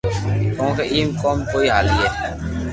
ڪونڪہ ايم ڪوم ڪوئي ھالئي